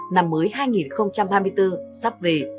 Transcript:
năm mới hai nghìn hai mươi bốn sắp về